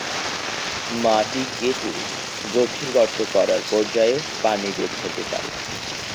মাটি কেটে গভীর গর্ত করার পর্যায়ে পানি বের হতে পারে।